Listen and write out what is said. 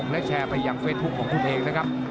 และแชร์ไปยังเฟซบุ๊คของคุณเองนะครับ